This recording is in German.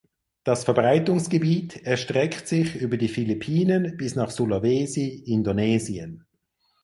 Das Verbreitungsgebiet erstreckt sich über die Philippinen bis nach Sulawesi (Indonesien).